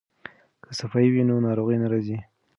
که صفايي وي نو ناروغي نه راځي.